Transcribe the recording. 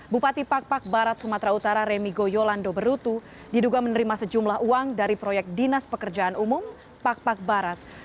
bupati pak pak barat sumatera utara remigo yolando berutu diduga menerima sejumlah uang dari proyek dinas pekerjaan umum pak pak barat